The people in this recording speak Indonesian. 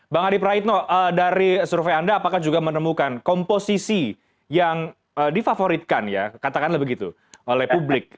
bang adi praitno dari survei anda apakah juga menemukan komposisi yang difavoritkan ya katakanlah begitu oleh publik